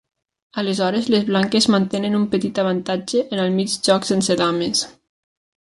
Aleshores, les blanques mantenen un petit avantatge en el mig joc sense dames.